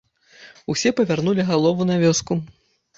Усе павярнулі галовы на вёску.